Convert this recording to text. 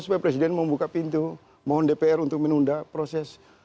supaya presiden membuka pintu mohon dpr presiden membuka pintu mohon dpr presiden membuka pintu mohon